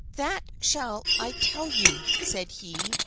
"That shall I tell you," said he.